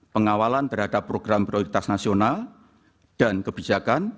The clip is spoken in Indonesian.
pengawalan terhadap program prioritas nasional dan kebijakan